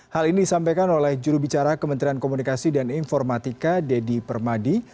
hal ini disampaikan oleh juru bicara kementerian komunikasi dan informatika dedy permadi